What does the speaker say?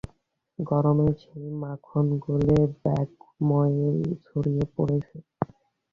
গরমে সেই মাখন গলে ব্যাগময় ছড়িয়ে পড়েছে।